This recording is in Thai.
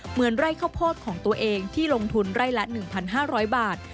เหมือนไร่ข้าวโพดของตัวเองที่ลงทุนไร่ละ๑๕๐๐บาท